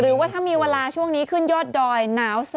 หรือว่าถ้ามีเวลาช่วงนี้ขึ้นยอดดอยหนาวสุด